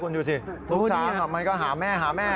ลูกช้างมันก็หาแม่หาแม่